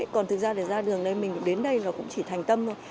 còn thực ra ra đường này mình đến đây là cũng chỉ thành tâm thôi